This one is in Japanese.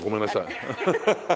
アハハハ！